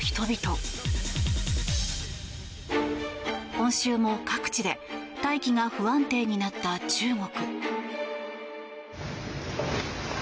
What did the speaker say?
今週も各地で大気が不安定になった中国。